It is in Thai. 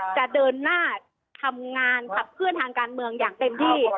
จะเดินหน้าทำงานขับเคลื่อนทางการเมืองอย่างเต็มที่